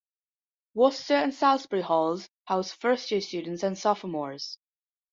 Worcester and Salisbury halls house first-year students and sophomores.